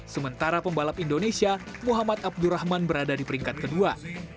sementara pembalap indonesia muhammad abdurrahman berada di peringkat kedua